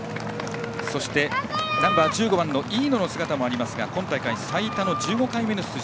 そして、ナンバー１５番飯野の姿もありますが今大会最多の１５回目の出場。